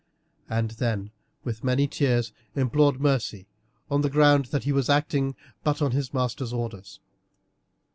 He then with many tears implored mercy, on the ground that he was acting but on his master's orders.